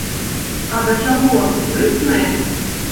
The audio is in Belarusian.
А да чаго спрытны!